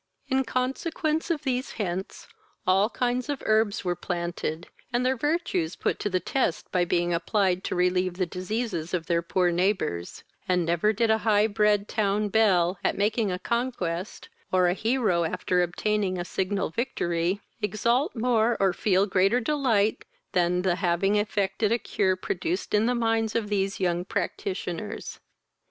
In consequence of these hints, all kinds of herbs were planted, and their virtues put to the test by being applied to relieve the diseases of their poor neighbours; and never did a high bred town belle, at making a conquest, or a hero, after obtaining a signal victory, exult more, or feel greater delight than the having effected a cure produced in the minds of these young practitioners.